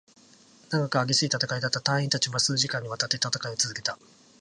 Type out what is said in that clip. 長く、激しい戦いだった。隊員達は数時間に渡って戦いを続けた。